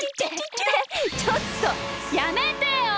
ちょっとやめてよ！